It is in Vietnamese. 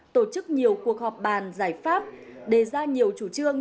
tổ chức nhiều cuộc họp bàn giải pháp đề ra nhiều chủ trương